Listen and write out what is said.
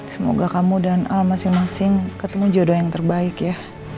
semoga kamu dan al masing masing ketemu jodoh yang terbaik ya